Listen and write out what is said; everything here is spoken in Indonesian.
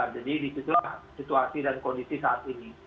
jadi disitulah situasi dan kondisi saat ini